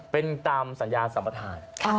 เป็นตามสัญญาสัมปทาน